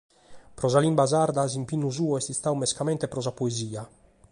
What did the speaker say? Pro sa limba sarda s’impinnu suo est istadu mescamente pro sa poesia.